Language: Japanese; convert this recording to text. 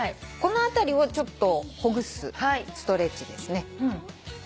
この辺りをちょっとほぐすストレッチですね。